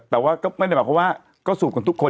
แต่ว่าก็ไม่ได้หมายความว่าก็สูบกันทุกคน